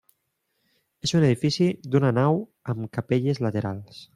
És un edifici d'una nau amb capelles laterals.